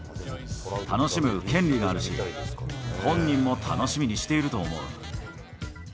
楽しむ権利があるし、本人も楽しみにしていると思う。